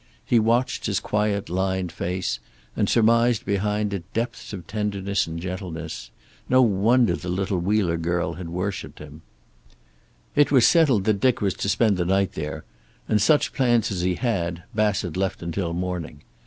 He watched his quiet, lined face, and surmised behind it depths of tenderness and gentleness. No wonder the little Wheeler girl had worshipped him. It was settled that Dick was to spend the night there, and such plans as he had Bassett left until morning.